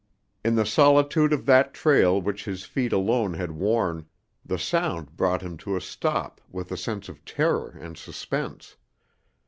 In the solitude of that trail which his feet alone had worn, the sound brought him to a stop with a sense of terror and suspense.